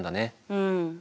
うん。